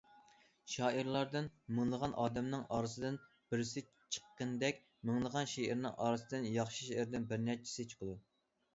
شائىرلاردىن مىڭلىغان ئادەمنىڭ ئارىسىدىن بىرسى چىققىنىدەك، مىڭلىغان شېئىرنىڭ ئارىسىدىن ياخشى شېئىردىن بىرنەچچىسى چىقىدۇ.